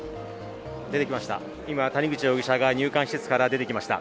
出てきました。